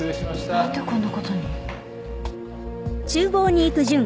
何でこんなことに？